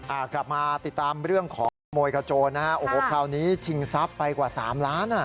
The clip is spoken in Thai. อ่ากลับมาติดตามเรื่องของขโมยกระโจนนะฮะโอ้โหคราวนี้ชิงทรัพย์ไปกว่าสามล้านอ่ะ